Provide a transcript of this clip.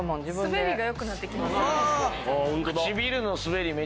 滑りが良くなってきますよね。